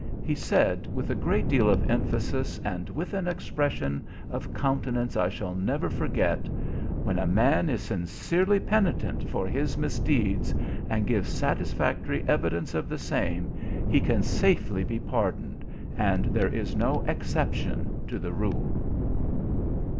He said, with a great deal of emphasis, and with an expression of countenance I shall never forget: "When a man is sincerely penitent for his misdeeds, and gives satisfactory evidence of the same, he can safely be pardoned, and there is no exception to the rule!"